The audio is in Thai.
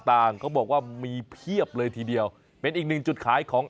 ต่างเขาบอกว่ามีเพียบเลยทีเดียวเป็นอีกหนึ่งจุดขายของ